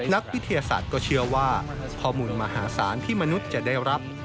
นักวิทยาศาสตร์ก็เชื่อว่าข้อมูลมหาศาลที่มนุษย์จะได้รับ